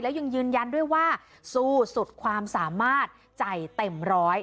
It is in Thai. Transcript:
แล้วยังยืนยันด้วยว่าสู้สุดความสามารถใจเต็มร้อย